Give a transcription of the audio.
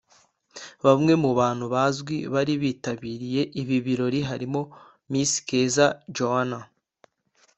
Bamwe mu bantu bazwi bari bitabiriye ibi birori harimo Miss Keza Joanah